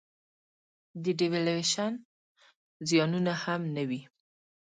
د devaluation زیانونه هم نه وي.